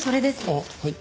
あっはい。